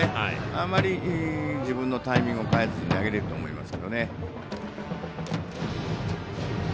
あまり自分のタイミングを変えずに投げれると思います。